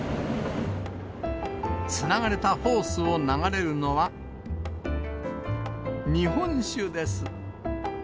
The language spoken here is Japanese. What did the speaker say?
つながれたホースを流れるのは、日本酒です。